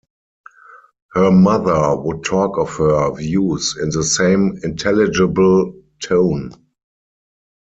Her mother would talk of her views in the same intelligible tone.